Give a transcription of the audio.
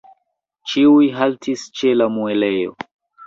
Ĉiuj haltis ĉe la muelejo.